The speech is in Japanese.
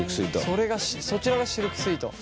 そちらがシルクスイート。